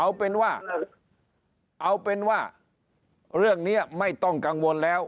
เอาเป็นว่าเอาเป็นว่าเรื่องนี้ไม่ต้องกังวลแล้ว